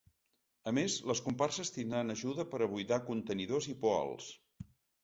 A més, les comparses tindran ajuda per a buidar contenidors i poals.